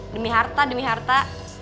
demi harta demi harta